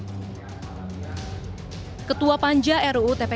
bagaimana dengan korban korban kekerasan seksual yang sejak digitalnya akan ditemukan